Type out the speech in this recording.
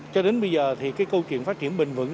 cho đến bây giờ thì cái câu chuyện phát triển bình vững